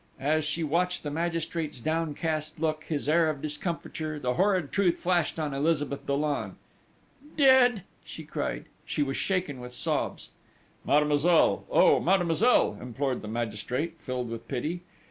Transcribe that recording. As she watched the magistrate's downcast look, his air of discomfiture, the horrid truth flashed on Elizabeth Dollon: "Dead!" she cried. She was shaken with sobs. "Mademoiselle!... Oh, mademoiselle!" implored the magistrate, filled with pity.